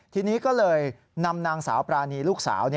ทีนี้ก็เลยนำนางสาวปรานีลูกสาว